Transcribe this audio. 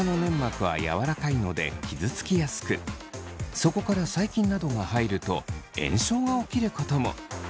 そこから細菌などが入ると炎症が起きることも。